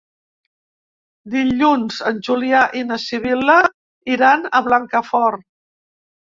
Dilluns en Julià i na Sibil·la iran a Blancafort.